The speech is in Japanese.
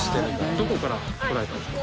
どこから来られたんですか？